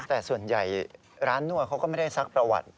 แต่ส่วนใหญ่ร้านนวดเขาก็ไม่ได้ซักประวัติ